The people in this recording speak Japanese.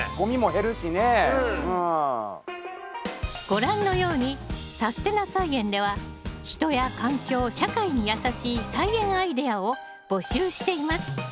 ご覧のように「さすてな菜園」では人や環境社会にやさしい菜園アイデアを募集しています。